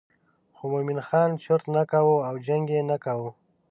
خو مومن خان چرت نه کاوه او جنګ یې نه کاوه.